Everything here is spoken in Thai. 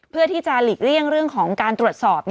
เพื่อที่จะหลีกเลี่ยงเรื่องของการตรวจสอบ